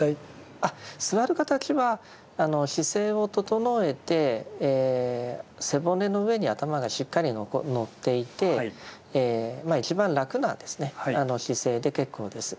あっ坐るかたちは姿勢を整えて背骨の上に頭がしっかりのっていてまあ一番楽な姿勢で結構です。